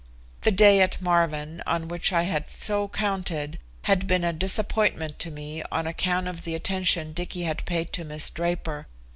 The day at Marvin, on which I had so counted, had been a disappointment to me on account of the attention Dicky had paid to Miss Draper.